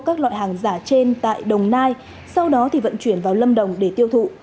các loại hàng giả trên tại đồng nai sau đó vận chuyển vào lâm đồng để tiêu thụ